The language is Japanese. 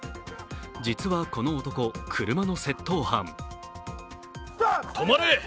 実はこの男、車の窃盗犯。